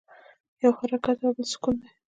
یو حرکت او بل سکون دی.